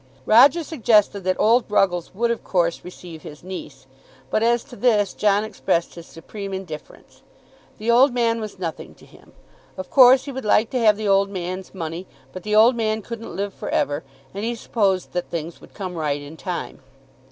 Roger suggested that old Ruggles would, of course, receive his niece; but as to this John expressed his supreme indifference. The old man was nothing to him. Of course he would like to have the old man's money; but the old man couldn't live for ever, and he supposed that things would come right in time.